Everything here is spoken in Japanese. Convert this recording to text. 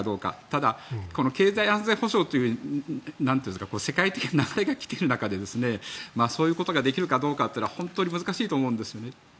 ただ、この経済安全保障という世界的な流れが来ている中でそういうことができるかどうかというのは本当に難しいと思うんです。